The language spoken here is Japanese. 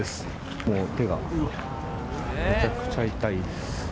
もう手がめちゃくちゃ痛いです。